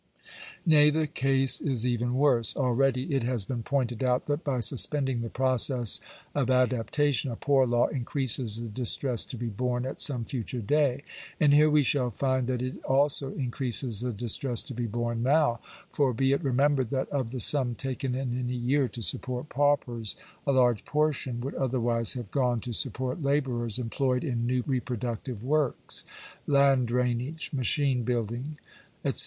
Nay, the case is even worse. Already it has been pointed out, that by suspending the process of adaptation, a poor law increases the distress to be borne at some future day ; and here we shall find that it also increases the distress to be borne now. For be it remembered, that of the sum taken in any year to Digitized by VjOOQIC 828 POOR LAWS. support paupers, a large portion would otherwise have gone to support labourers employed in new reproductive works — land drainage, machine building, &e.